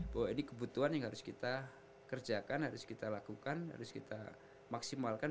bahwa ini kebutuhan yang harus kita kerjakan harus kita lakukan harus kita maksimalkan